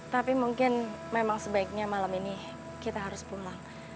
tapi mungkin memang sebaiknya malam ini kita harus pulang